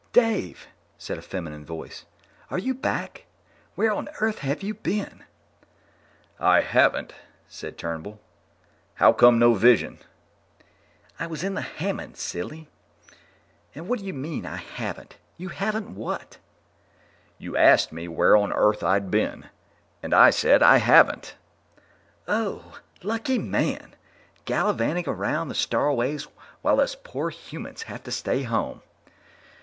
"Dave!" said a feminine voice. "Are you back? Where on Earth have you been?" "I haven't," said Turnbull. "How come no vision?" "I was in the hammam, silly. And what do you mean 'I haven't'? You haven't what?" "You asked me where on Earth I'd been, and I said I haven't." "Oh! Lucky man! Gallivanting around the starways while us poor humans have to stay home."